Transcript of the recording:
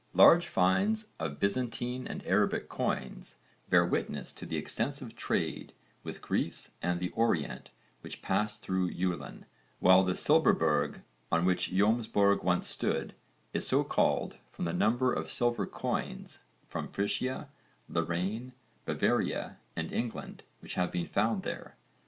Large finds of Byzantine and Arabic coins bear witness to the extensive trade with Greece and the Orient which passed through Julin, while the Silberberg, on which Jómsborg once stood, is so called from the number of silver coins from Frisia, Lorraine, Bavaria and England which have been found there.